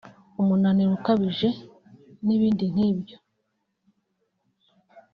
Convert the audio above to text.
umunaniro ukabije n’ibindi nk’ibyo